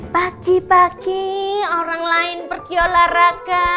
pagi pagi orang lain pergi olahraga